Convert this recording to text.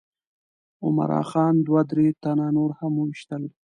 عمرا خان دوه درې تنه نور هم وویشتل.